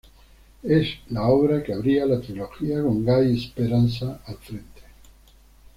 Es la obra que abría la trilogía con Guy Speranza al frente.